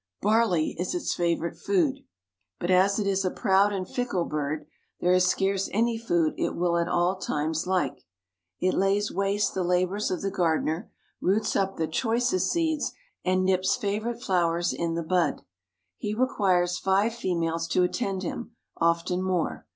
Barley is its favorite food, but as it is a proud and fickle bird there is scarce any food it will at all times like. It lays waste the labors of the gardener, roots up the choicest seeds, and nips favorite flowers in the bud. He requires five females to attend him, often more.